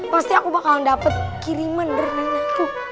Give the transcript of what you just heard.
pasti aku bakalan dapat kiriman dari nenekku